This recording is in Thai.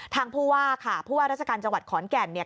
ผู้ว่าค่ะผู้ว่าราชการจังหวัดขอนแก่นเนี่ย